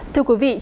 thưa quý vị